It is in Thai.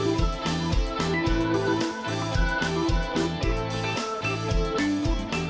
สวัสดีครับ